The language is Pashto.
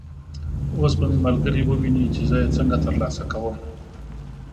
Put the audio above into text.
اوس به مې ملګري وویني چې زه یې څنګه تر لاسه کوم.